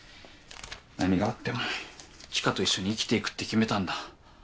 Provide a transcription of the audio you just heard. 何があっても知花と一緒に生きていくって決めたんだ。